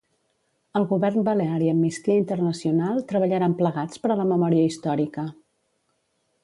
El govern balear i Amnisita Internacional treballaran plegats per a la memòria històrica.